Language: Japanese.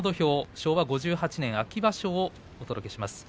昭和５８年秋場所をお届けします。